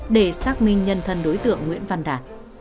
để xác minh nhân thân đối tượng nguyễn văn đạt